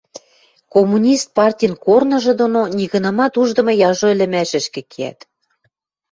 Коммунист партин корныжы доно нигынамат уждымы яжо ӹлӹмӓшӹшкӹ кеӓт.